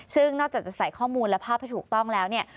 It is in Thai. ซึ่งนอกจากจะใส่ข้อมูลและภาพให้ถูกต้องแล้วเนี่ย